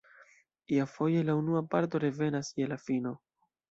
Iafoje la unua parto revenas je la fino.